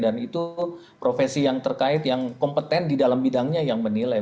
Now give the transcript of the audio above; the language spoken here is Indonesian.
dan itu profesi yang terkait yang kompeten di dalam bidangnya yang menilai